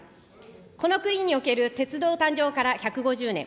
この国における鉄道誕生から１５０年。